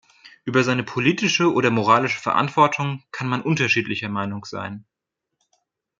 Über seine politische oder moralische Verantwortung kann man unterschiedlicher Meinung sein.